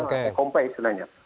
cash home pay sebenarnya